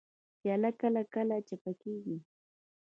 پیاله کله کله چپه کېږي.